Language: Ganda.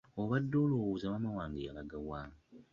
Obadde olowooza maama wange yalaga wa?